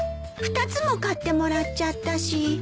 ２つも買ってもらっちゃったし。